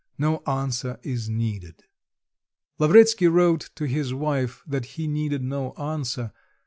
No answer is needed." Lavretsky wrote to his wife that he needed no answer...